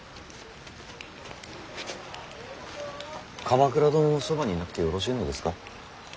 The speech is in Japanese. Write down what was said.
鎌倉殿のそばにいなくてよろしいのですか。